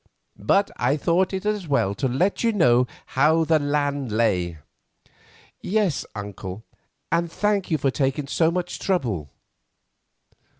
but I thought it as well to let you know how the land lay." "Yes, uncle; and thank you for taking so much trouble."